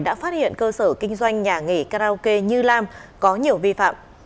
đã phát hiện cơ sở kinh doanh nhà nghỉ karaoke như lam có nhiều vi phạm